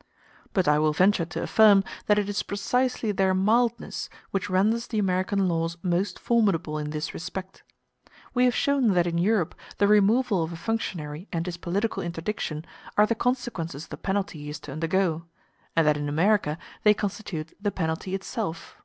*c But I will venture to affirm that it is precisely their mildness which renders the American laws most formidable in this respect. We have shown that in Europe the removal of a functionary and his political interdiction are the consequences of the penalty he is to undergo, and that in America they constitute the penalty itself.